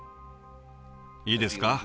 いいですか？